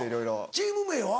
チーム名は？